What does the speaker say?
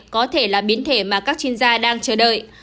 có thể là biến thể mà các chuyên gia đang chờ đợi